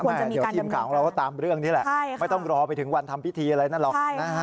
มันควรจะมีการดำเนินการณ์นะครับใช่ค่ะใช่ค่ะไม่ต้องรอไปถึงวันทำพิธีอะไรนั่นหรอก